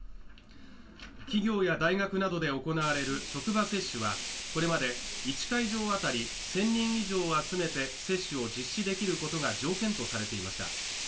企業や大学などで行われる職場接種はこれまで１会場あたり１０００人以上を集めて接種を実施できることが条件とされていました